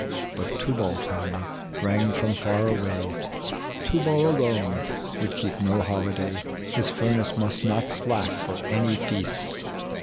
But Tubal's hammer rang from far away, Tubal alone would keep no hoHday, His furnace must not slack for any feast.